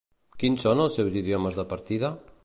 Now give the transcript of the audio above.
Quins són els seus idiomes de partida?